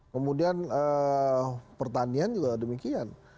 kemudian pertanian juga demikian